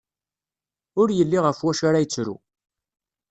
Ur yelli ɣef wacu ara yettru.